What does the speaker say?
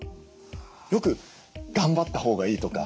よく頑張ったほうがいいとか。